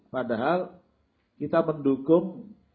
padahal kita mendukung